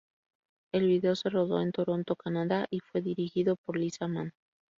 El video se rodó en Toronto, Canadá y fue dirigido por "Lisa Mann".